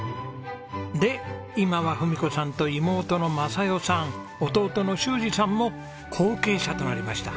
で今は郁子さんと妹の匡世さん弟の州史さんも後継者となりました。